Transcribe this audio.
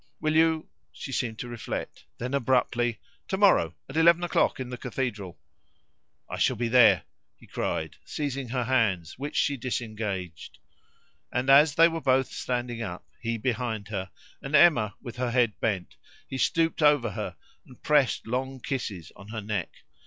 "Will you " She seemed to reflect; then abruptly, "To morrow at eleven o'clock in the cathedral." "I shall be there," he cried, seizing her hands, which she disengaged. And as they were both standing up, he behind her, and Emma with her head bent, he stooped over her and pressed long kisses on her neck.